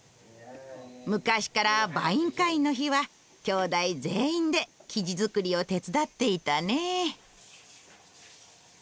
昔からバインカインの日はきょうだい全員で生地作りを手伝っていたね。